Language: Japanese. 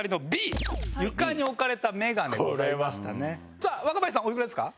さあ若林さんおいくらですか？